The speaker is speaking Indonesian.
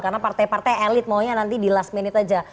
karena partai partai elit maunya nanti di last minute aja